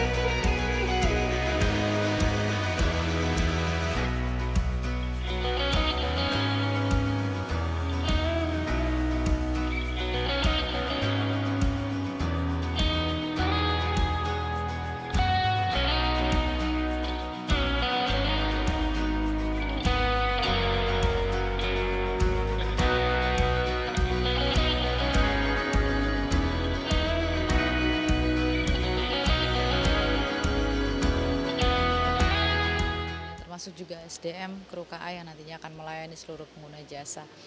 termasuk juga sdm kru ka yang nantinya akan melayani seluruh pengguna jasa